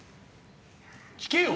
聞けよ！